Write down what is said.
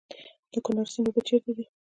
د کونړ سیند اوبه چیرته ځي؟